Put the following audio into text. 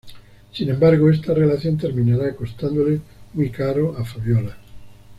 Sin embargo, esta relación terminará costándole muy caro a Fabiola.